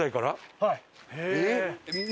はい。